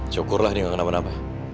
cukurlah dia gak kenapa napa